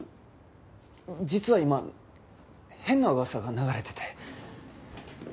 実は今変な噂が流れてて。